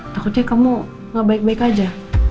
takutnya kamu gak baik baik aja